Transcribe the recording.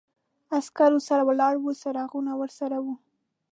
عسکرو سره ولاړ و، څراغونه ورسره و.